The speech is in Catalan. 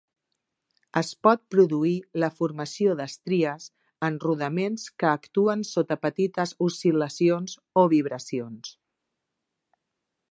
Es pot produir la formació d'estries en rodaments que actuen sota petites oscil·lacions o vibracions.